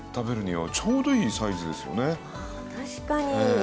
確かに。